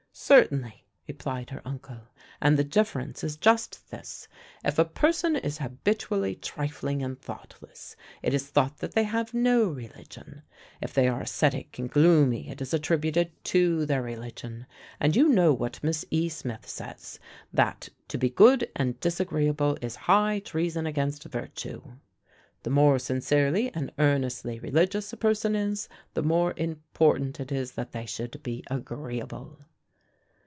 "Certainly," replied her uncle, "and the difference is just this: if a person is habitually trifling and thoughtless, it is thought that they have no religion; if they are ascetic and gloomy, it is attributed to their religion; and you know what Miss E. Smith says that 'to be good and disagreeable is high treason against virtue.' The more sincerely and earnestly religious a person is, the more important it is that they should be agreeable."